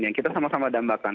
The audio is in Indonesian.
yang kita sama sama dambakan